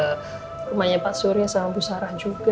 rumahnya pak surya sama bu sarah juga